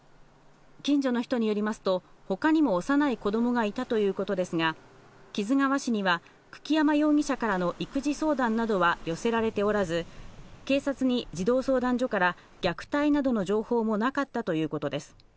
近所の人によりますと他にも幼い子供がいたということですが、木津川市には久木山容疑者からの育児相談などは寄せられておらず、警察に児童相談所から虐待などの情報もなかったということです。